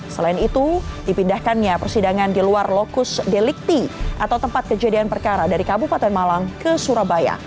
selain itu dipindahkannya persidangan di luar lokus delikti atau tempat kejadian perkara dari kabupaten malang ke surabaya